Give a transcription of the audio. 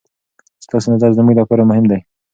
ستاسې نظر زموږ لپاره مهم دی.